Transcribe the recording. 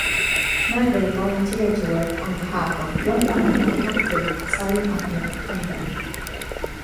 Schneider volunteered to work on behalf of Guantanamo captive Salim Ahmed Hamdan.